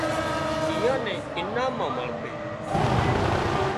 اي اين نين انعام مان مۯِي تي